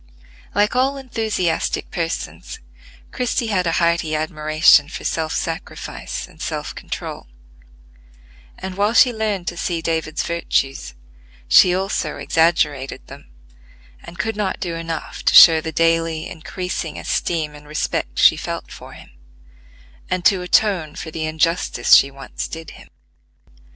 Like all enthusiastic persons, Christie had a hearty admiration for self sacrifice and self control; and, while she learned to see David's virtues, she also exaggerated them, and could not do enough to show the daily increasing esteem and respect she felt for him, and to atone for the injustice she once did him.